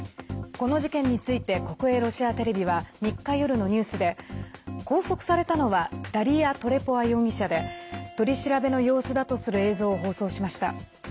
この事件について国営ロシアテレビは３日夜のニュースで拘束されたのはダリア・トレポワ容疑者で取り調べの様子だとする映像を放送しました。